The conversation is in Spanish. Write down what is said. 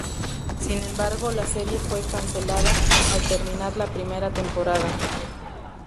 Sin embargo, la serie fue cancelada al terminar la primera temporada.